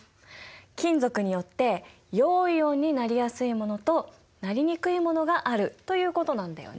金属によって陽イオンになりやすいものとなりにくいものがあるということなんだよね。